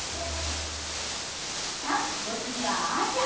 さっお次はアジア。